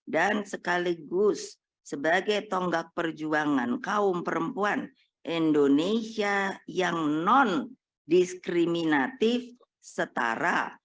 dan sekaligus sebagai tonggak perjuangan kaum perempuan indonesia yang non diskriminatif setara